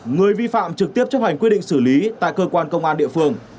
người vi phạm trực tiếp chấp hành quyết định xử lý tại cơ quan công an địa phương